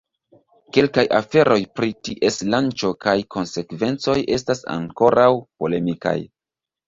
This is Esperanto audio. Kelkaj aferoj pri ties lanĉo kaj konsekvencoj estas ankoraŭ polemikaj.